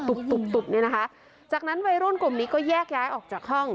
ตุบตุบเนี่ยนะคะจากนั้นวัยรุ่นกลุ่มนี้ก็แยกย้ายออกจากห้อง